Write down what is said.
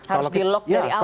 harus di lock dari awal